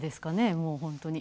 もう本当に。